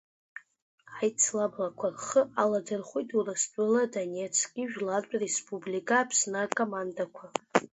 Аицлабрақәа рхы аладырхәит Урыстәыла, Донецктәи Жәлартә Республика, Аԥсны акомандақәа.